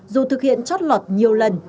dù thực hiện chót lọt nhiều lần